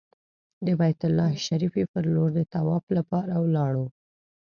د بیت الله شریفې پر لور د طواف لپاره ولاړو.